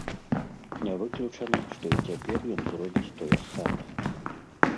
Не выключана, што і цяпер ён зробіць тое ж самае.